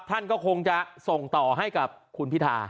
ท่านก็คงจะส่งต่อให้กับคุณพิธา